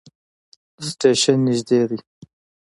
سټیشن نژدې دی